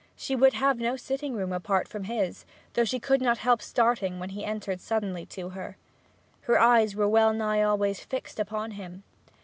She would have no sitting room apart from his, though she could not help starting when he entered suddenly to her. Her eyes were well nigh always fixed upon him.